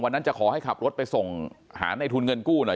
จะขอให้ขับรถไปส่งหาในทุนเงินกู้หน่อย